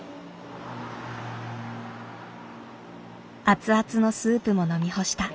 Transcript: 熱々のスープも飲み干した。